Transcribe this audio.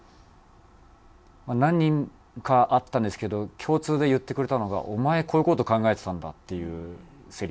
何人かあったんですけど共通で言ってくれたのが「お前こういう事考えてたんだ」っていうせりふで。